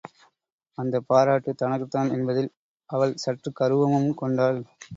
அந்தப் பாராட்டுத் தனக்குத்தான் என்பதில் அவள் சற்றுக் கருவமும் கொண்டாள்.